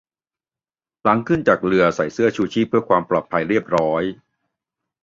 หลังจากขึ้นเรือใส่เสื้อชูชีพเพื่อความปลอดภัยเรียบร้อย